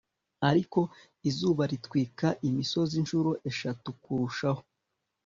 ariko izuba ritwika imisozi incuro eshatu kurushaho